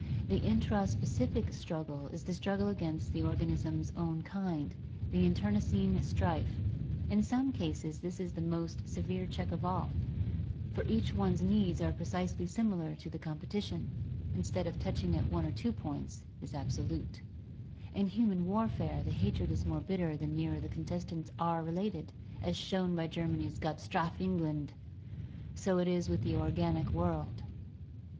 The intraspecific struggle is the struggle against the organism's own kind, the internecine strife. In some cases this is the most severe check of all, for each one's needs are precisely similar and J NATURAL SELECTION 105 the competition, instead of touching at one or two points, is ab solute. In human warfare, the hatred is more bitter the nearer the contestants are related, as shown by Germany's "Gott strafe England!"; so it is with the organic world.